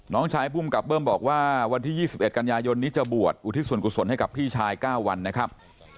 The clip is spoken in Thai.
น้องชายภูมิกับเบิ้มบอกว่าวันที่๒๑กันยายนนี้จะบวชอุทิศส่วนกุศลให้กับพี่ชาย๙วันนะครับ